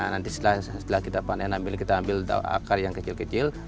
nanti setelah kita panen kita ambil akar yang kecil kecil